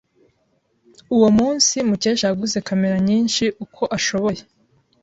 Uwo munsi, Mukesha yaguze kamera nyinshi uko ashoboye.